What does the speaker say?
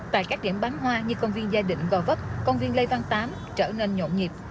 tại các điểm bán hoa như công viên gia định gò vấp công viên lê văn tám trở nên nhộn nhịp